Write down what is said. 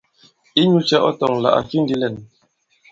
Inyūcɛ̄ ɔ tɔ̄ là à fi ndī lɛ᷇n?